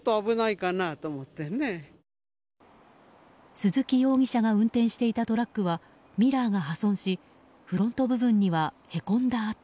鈴木容疑者が運転していたトラックはミラーが破損しフロント部分にはへこんだ跡。